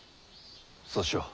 そうしよう。